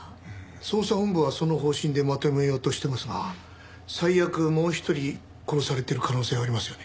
捜査本部はその方針でまとめようとしてますが最悪もう一人殺されてる可能性がありますよね。